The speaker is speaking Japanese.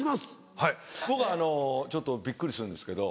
はい僕あのちょっとびっくりするんですけど。